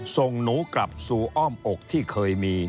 ส่งหนูกลับสู่อ้อมอกที่เคยมี